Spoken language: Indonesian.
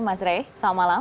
mas ray selamat malam